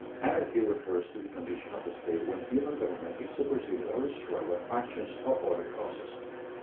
Anarchy refers to the condition of a state when human government is superseded or destroyed by factions or other causes.